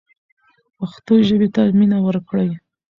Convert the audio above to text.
پښتو ژبې ته مینه ورکړئ.